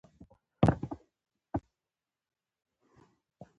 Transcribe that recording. اوس له نوې تکنالوژۍ څخه په ګټې اخیستنې سره کاڼي ماتېږي.